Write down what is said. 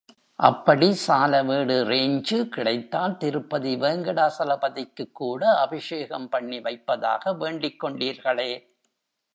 அப்படி சாலவேடு ரேஞ்சு கிடைத்தால் திருப்பதி வேங்கடாசலபதிக்குக் கூட அபிஷேகம் பண்ணி வைப்பதாக வேண்டிக் கொண்டீர்களே?